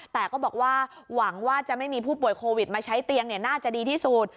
แต่ก็บอกว่าหวังว่าจะไม่มีผู้ป่วยโควิดมาใช้เตียงน่าจะดีที่สุด